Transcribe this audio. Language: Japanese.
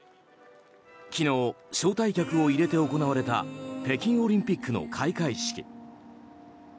昨日、招待客を入れて行われた北京オリンピックの開会式。